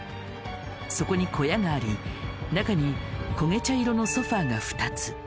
そこに小屋があり中に焦げ茶色のソファが２つ。